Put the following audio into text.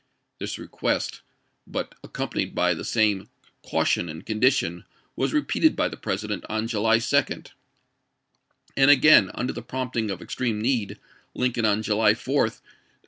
This request, but accompanied by the same cau tion and condition, was repeated by the President on July 2 ; and again, under the prompting of ex treme need, Lincoln on July 4 sent a diminished Vol.